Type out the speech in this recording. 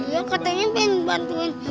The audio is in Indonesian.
ya katanya pengen bantuin